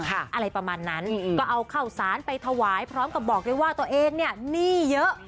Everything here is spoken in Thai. อะไรประมาณนั้นก็เอาข้าวสารไปถวายพร้อมกับบอกด้วยว่าตัวเองเนี่ยหนี้เยอะ